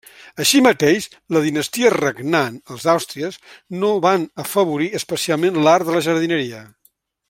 Així mateix, la dinastia regnant, els Àustries, no van afavorir especialment l'art de la jardineria.